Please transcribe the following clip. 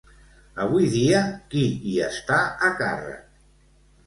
Avui dia, qui hi està a càrrec?